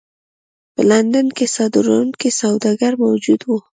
په لندن کې صادروونکي سوداګر موجود وو.